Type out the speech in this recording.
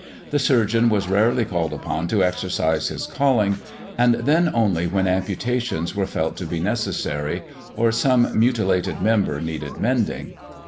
The surgeon was rarely called upon to exercise his calling, and then only when amputations were felt to be necessary, or some mutilated member needed mending.